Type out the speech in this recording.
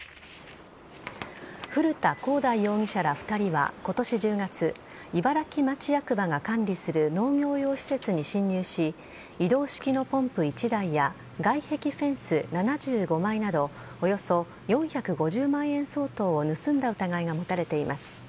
古田広大容疑者ら２人は今年１０月茨城町役場が管理する農業用施設に侵入し移動式のポンプ１台や外壁フェンス７５枚などおよそ４５０万円相当を盗んだ疑いが持たれています。